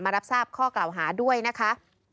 รับทราบข้อกล่าวหาด้วยนะคะ